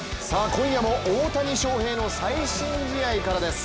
今夜も大谷翔平の最新試合からです。